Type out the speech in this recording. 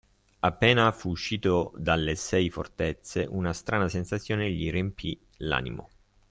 Appena fu uscito dalle Sei Fortezze, una strana sensazione gli riempì l’animo.